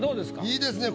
いいですね